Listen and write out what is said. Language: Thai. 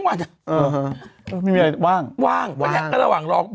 ก็ตรงในดูพันธุ์ใหม่